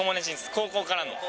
高校からの。